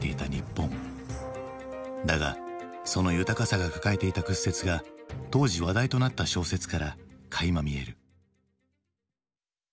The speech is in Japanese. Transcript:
だがその豊かさが抱えていた屈折が当時話題となった小説からかいま見える。